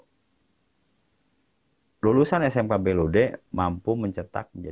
berarti kita berhasil membuat peluang kerja yang sesuai dengan pasar industri sehingga lulusan smk blud mampu mencetaknya